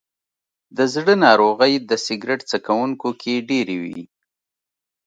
د زړه ناروغۍ د سګرټ څکونکو کې ډېرې وي.